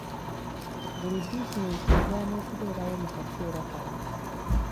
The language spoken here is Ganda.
Buli bizinensi erwana okubeerawo mu kaseera kano.